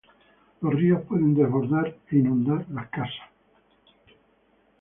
Los ríos pueden desbordar e inundar las casas.